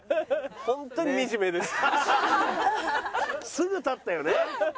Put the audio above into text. すぐ立ったよね。